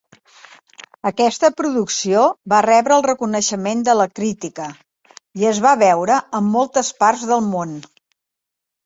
Aquesta producció va rebre el reconeixement de la crítica, i es va veure en moltes parts del món.